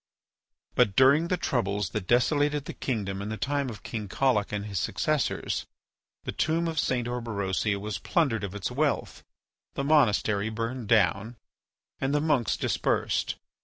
But during the troubles that desolated the kingdom in the time of King Collic and his successors, the tomb of St. Orberosia was plundered of its wealth, the monastery burned down, and the monks dispersed.